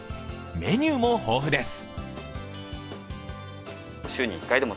メニューも豊富です。